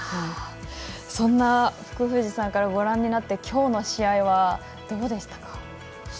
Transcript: そんな福藤さんからご覧になってきょうの試合はどうでしたか？